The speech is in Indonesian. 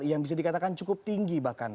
yang bisa dikatakan cukup tinggi bahkan